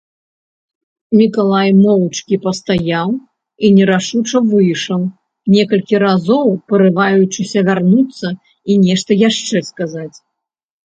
Мікалай моўчкі пастаяў і нерашуча выйшаў, некалькі разоў парываючыся вярнуцца і нешта яшчэ сказаць.